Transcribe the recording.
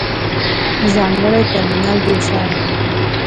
ځانګړی ترمینل جوړ شوی.